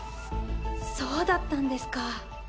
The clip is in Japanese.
そうだったんですか。